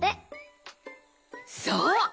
そう！